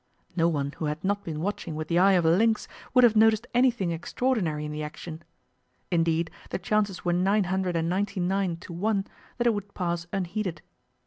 No one who had not been watching with the eye of a lynx would have noticed anything extraordinary in the action; indeed, the chances were nine hundred and ninety nine to one that it would pass unheeded.